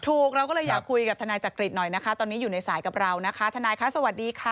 เราก็เลยอยากคุยกับทนายจักริตหน่อยนะคะตอนนี้อยู่ในสายกับเรานะคะทนายคะสวัสดีค่ะ